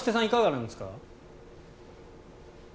いかがなんですか？